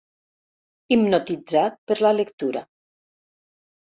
Hipnotitzat per la lectura.